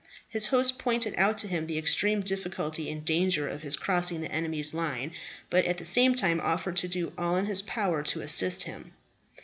His host pointed out to him the extreme difficulty and danger of his crossing the enemy's lines, but at the same time offered to do all in his power to assist him.